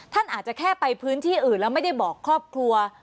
ท่านอาจจะแค่ไปพื้นที่อื่นแล้วไม่ได้บอกครอบครัว